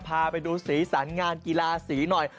พาไปดูสีสันงานกีฬาสีหน่อย